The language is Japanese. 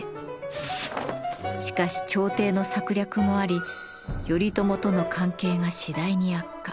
しかし朝廷の策略もあり頼朝との関係が次第に悪化。